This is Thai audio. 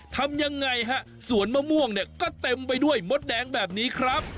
ทำยังไงฮะสวนมะม่วงเนี่ยก็เต็มไปด้วยมดแดงแบบนี้ครับ